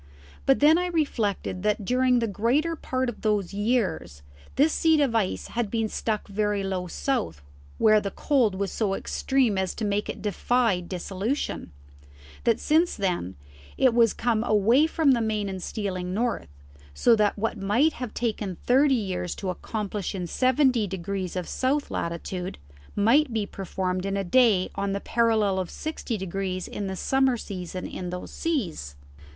But then I reflected that during the greater part of those years this seat of ice had been stuck very low south where the cold was so extreme as to make it defy dissolution; that since then, it was come away from the main and stealing north, so that what might have taken thirty years to accomplish in seventy degrees of south latitude, might be performed in a day on the parallel of sixty degrees in the summer season in these seas.